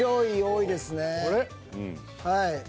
はい。